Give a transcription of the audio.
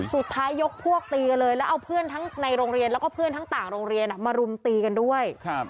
ยกพวกตีกันเลยแล้วเอาเพื่อนทั้งในโรงเรียนแล้วก็เพื่อนทั้งต่างโรงเรียนมารุมตีกันด้วย